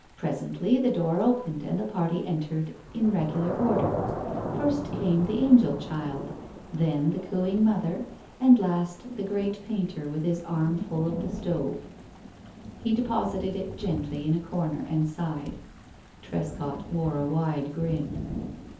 Presently the door opened, and the party entered in regular order. First came the angel child, then the cooing mother, and last the great painter with his arm full of the stove. He deposited it gently in a corner, and sighed. Trescott wore a wide grin.